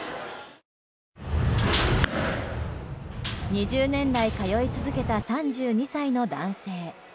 ２０年来通い続けた３２歳の男性。